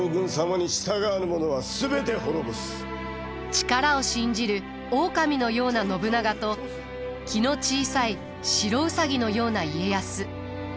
力を信じる狼のような信長と気の小さい白兎のような家康。